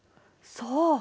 そう。